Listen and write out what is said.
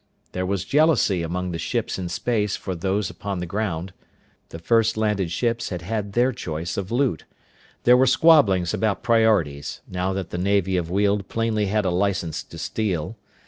There was jealousy among the ships in space for those upon the ground. The first landed ships had had their choice of loot. There were squabblings about priorities, now that the navy of Weald plainly had a license to steal.